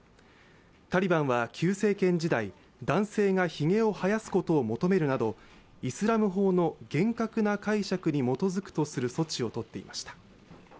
タリバンは旧政権時代、男性がひげを生やすことを求めるなどイスラム法の厳格な解釈に基づくとする措置を取っていました。